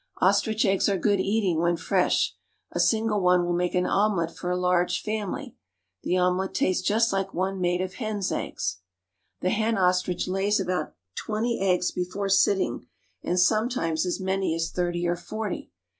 Ostrich eggs are good eating when fresh. A single one will make an omelette for a large family ; the omelette tastes just like one made of hens* eggs. The hen ostrich lays about twenty eggs before sitting, and sometimes as many as thirty or forty.